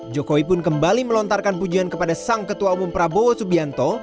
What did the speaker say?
jokowi pun kembali melontarkan pujian kepada sang ketua umum prabowo subianto